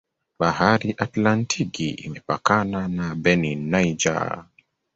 Bahari Atlantiki Imepakana na Benin Niger